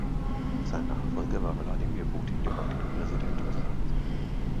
Sein Nachfolger war Wladimir Putin, der heutige Präsident Russlands.